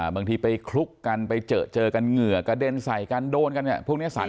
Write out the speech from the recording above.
บางทีไปคลุกกันไปเจอกันเหงื่อกระเด้นใส่กันโดนกัน